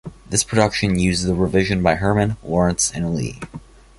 This production used the revision by Herman, Lawrence and Lee.